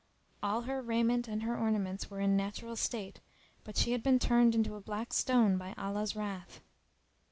All her raiment and her ornaments were in natural state but she had been turned into a black stone by Allah's wrath.